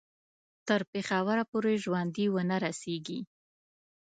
تر پېښوره پوري ژوندي ونه رسیږي.